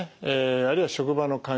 あるいは職場の環境。